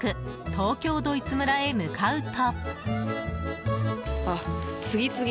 東京ドイツ村へ向かうと。